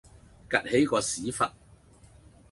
趷起個屎忽